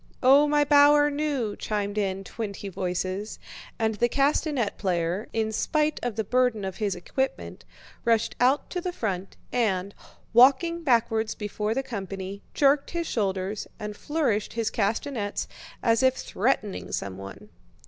"Oh, my bower new...!" chimed in twenty voices, and the castanet player, in spite of the burden of his equipment, rushed out to the front and, walking backwards before the company, jerked his shoulders and flourished his castanets as if threatening someone.